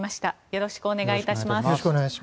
よろしくお願いします。